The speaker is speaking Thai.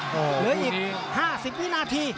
เหลืออีก๕๐วินาที